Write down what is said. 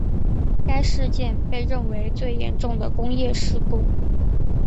该事件被认为最严重的工业事故。